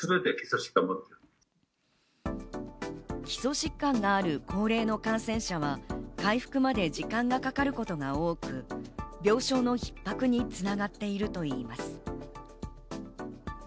基礎疾患がある高齢の感染者は、回復まで時間がかかることが多く、病床の逼迫に繋がっているといいます。